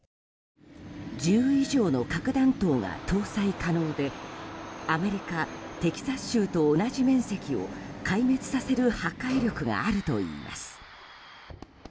１０以上の核弾頭が搭載可能でアメリカ・テキサス州と同じ面積を壊滅させる破壊力があるといいます。